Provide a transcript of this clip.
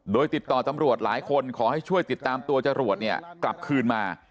โดยติดต่อตำรวจหลายคนขอให้ช่วยติดตามตัวจรวดเนี่ยกลับคืนมา